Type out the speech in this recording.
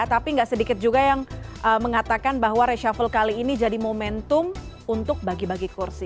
tapi nggak sedikit juga yang mengatakan bahwa reshuffle kali ini jadi momentum untuk bagi bagi kursi